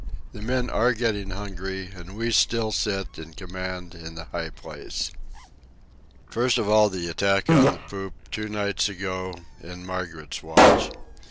The men are getting hungry, and we still sit in command in the high place. First of all the attack on the poop, two nights ago, in Margaret's watch.